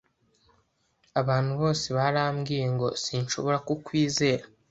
Abantu bose barambwiye ngo sinshobora kukwizera.